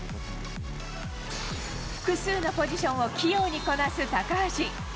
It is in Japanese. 複数のポジションを器用にこなす高橋。